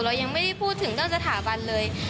เรายังไม่ได้พูดถึงเรื่องสถาบันเลย